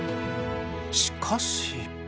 しかし。